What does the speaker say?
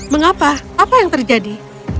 mengapa apa yang terjadi